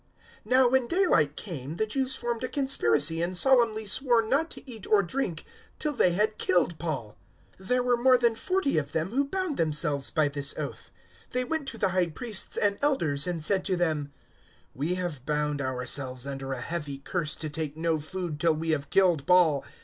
023:012 Now, when daylight came, the Jews formed a conspiracy and solemnly swore not to eat or drink till they had killed Paul. 023:013 There were more than forty of them who bound themselves by this oath. 023:014 They went to the High Priests and Elders and said to them, "We have bound ourselves under a heavy curse to take no food till we have killed Paul.